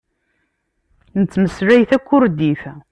Nettmeslay takurdit.